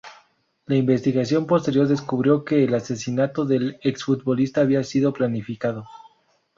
La investigación posterior descubrió que el asesinato del ex futbolista había sido planificado.